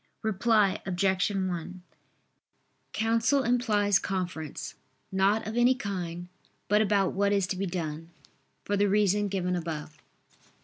Reply Obj. 1: Counsel implies conference, not of any kind, but about what is to be done, for the reason given above.